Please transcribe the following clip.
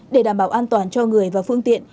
để đảm bảo an toàn cho người và phương tiện